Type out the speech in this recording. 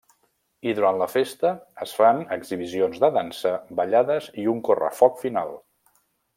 I durant la festa es fan exhibicions de dansa, ballades i un correfoc final.